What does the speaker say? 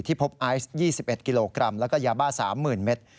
พบไอซ์๒๑กิโลกรัมแล้วก็ยาบ้า๓๐๐๐เมตร